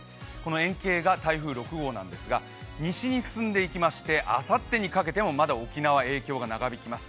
円形が台風６号なんですが西に進んでいきましてあさってにかけてもまだ沖縄影響が長引きます。